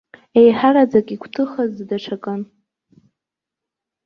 Еиҳараӡак, игәҭыхаз даҽакын.